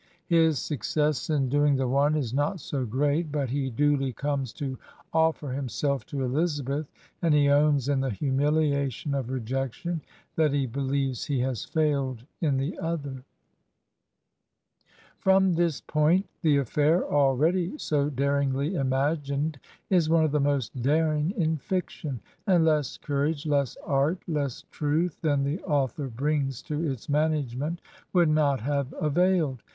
His success in doing the one is not so great but he duly comes to offer himself to Elizabeth, and he owns in the humihation of rejection that he beUeves he has failed in the other. 42 Digitized by VjOOQIC / JANE AUSTEN'S ELIZABETH BENNET From this i)oint the affair, already so daringly imag* ined, is one of the most daring in fiction; and less cour age, less art, less truth than the author brings to its management would not have availed.